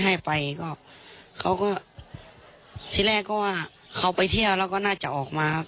ให้ไปก็เขาก็ที่แรกก็ว่าเขาไปเที่ยวแล้วก็น่าจะออกมาครับ